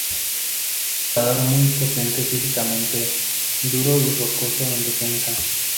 Jugador muy potente físicamente, duro y rocoso en defensa.